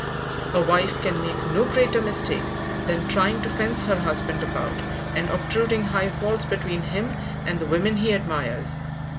A wife can make no greater mistake than trying to fence her husband about and obtruding high walls between him and the women he admires.